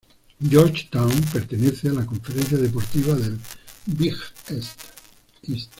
Georgetown pertenece a la conferencia deportiva del Big East.